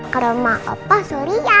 ke rumah opo surya